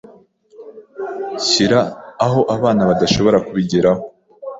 Shyira aho abana badashobora kubigeraho.